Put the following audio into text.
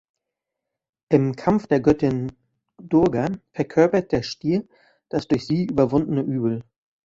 Im Kampf der Göttin Durga verkörpert der Stier das durch sie überwundene Übel.